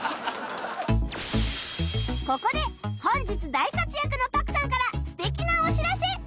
ここで本日大活躍の朴さんから素敵なお知らせ